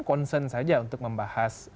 konsen saja untuk membahas